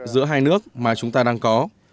giữa hai nước mà chúng ta đang có